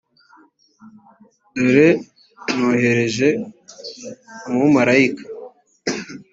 dore nohereje umumarayika